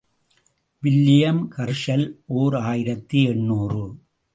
William Herschel, ஓர் ஆயிரத்து எண்ணூறு .